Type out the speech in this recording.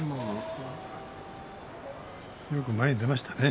よく前に出ましたね。